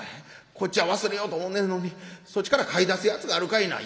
こっちは忘れようと思てるのにそっちからかい出すやつがあるかいな」。